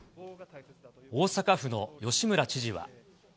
大阪府の吉村知事は。